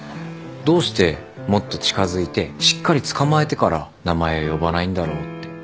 どうしてもっと近づいてしっかり捕まえてから名前を呼ばないんだろうって。